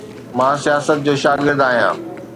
مان سياست جو شاگرد آهيان.